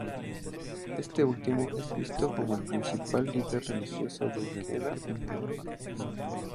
Este último es visto como el principal líder religioso de Al Qaeda en Europa.